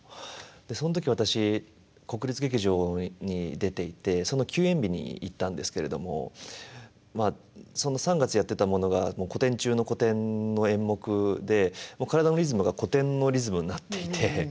でその時私国立劇場に出ていてその休演日に行ったんですけれどもまあその３月やってたものが古典中の古典の演目で体のリズムが古典のリズムになっていてでまあ